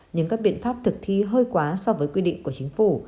nhưng các biện pháp thực thi hơi quá so với quy định của chính phủ